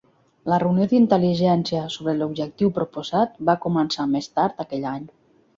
La reunió d'intel·ligència sobre l'objectiu proposat, va començar més tard aquell any.